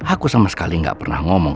aku sama sekali gak pernah ngomong